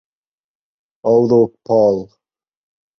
Although Pol.